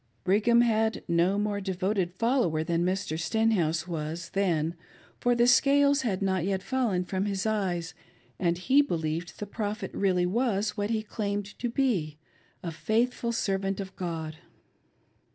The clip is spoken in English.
Brigham had no more devoted follower than Mr. Stenhouse was then, for the scales had not yet fallen from his eyes, and he believed the •Prophet was really what he claimed to be — a faithful servant of God.